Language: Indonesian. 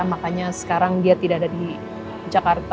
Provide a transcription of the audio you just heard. makanya sekarang dia tidak ada di jakarta